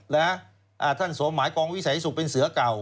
แล้วท่านสมหมายกองวิสัยศุกร์เป็นเสือเก่า